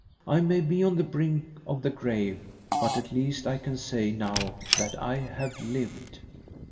I may be on the brink of the grave, but at least I can say now that I have lived."